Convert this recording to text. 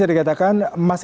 seperti itu sih mas yuda